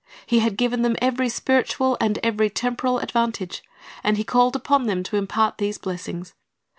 He had given them every spiritual and every temporal advantage, and He called upon them to impart these blessings.